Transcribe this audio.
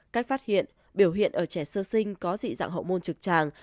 cách phát hiện biểu hiện ở trẻ sơ sinh có dị dạng hậu môn trực tràng